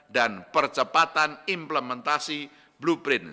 dan percepatan implementasi blueprint